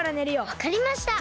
わかりました。